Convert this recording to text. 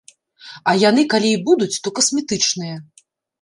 А яны калі і будуць, то касметычныя.